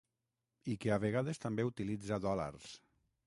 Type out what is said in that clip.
I que a vegades també utilitza dòlars.